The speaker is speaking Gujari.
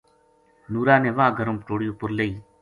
نُورا نے واہ گرم پٹوڑی اُپر لئی